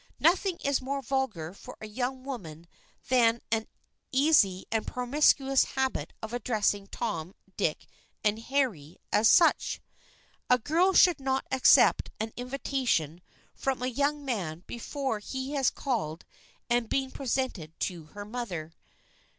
Nothing is more vulgar for a young woman than an easy and promiscuous habit of addressing Tom, Dick and Harry as such. A girl should not accept an invitation from a young man before he has called and has been presented to her mother.